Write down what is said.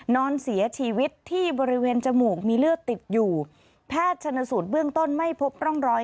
นอนเสียชีวิตที่บริเวณจมูกมีเลือดติดอยู่แพทย์ชนสูตรเบื้องต้นไม่พบร่องรอย